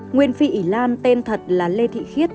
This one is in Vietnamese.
nguyên phi ỉ lam tên thật là lê thị khiết